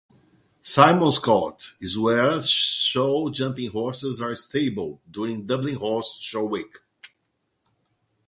Simmonscourt is where the show jumping horses are stabled during Dublin Horse Show week.